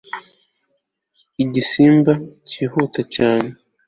Igisimba cyihuta cyane